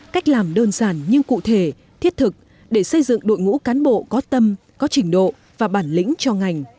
cách làm đơn giản nhưng cụ thể thiết thực để xây dựng đội ngũ cán bộ có tâm có trình độ và bản lĩnh cho ngành